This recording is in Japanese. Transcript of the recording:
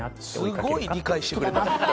「すごい理解してくれた」